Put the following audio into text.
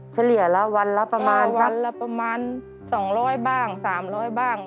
เฉลี่ยละวันละประมาณวันละประมาณ๒๐๐บ้าง๓๐๐บ้าง